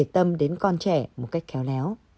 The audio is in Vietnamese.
tâm đến con trẻ một cách khéo léo